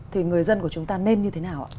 thì người dân của chúng ta nên như thế nào ạ